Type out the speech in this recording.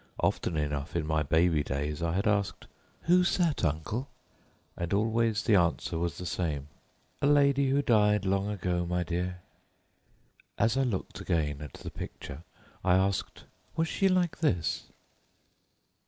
Often enough in my baby days I had asked, "Who's that, uncle?" always receiving the same answer: "A lady who died long ago, my dear." As I looked again at the picture, I asked, "Was she like this?"